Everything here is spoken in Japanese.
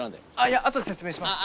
いや後で説明します。